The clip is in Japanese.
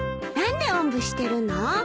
何でおんぶしてるの？